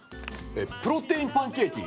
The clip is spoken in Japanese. プロテインパンケーキ。